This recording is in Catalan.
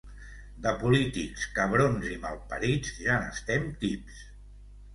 De polítics, cabrons i mal parits ja n'estem tips.